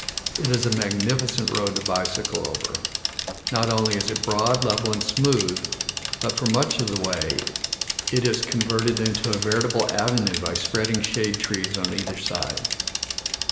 It is a magnificent road to bicycle over; not only is it broad, level, and smooth, but for much of the way it is converted into a veritable avenue by spreading shade trees on either side.